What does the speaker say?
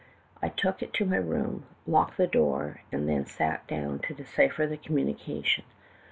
"I took it to my room, locked the door, and then sat down to decipher the communication.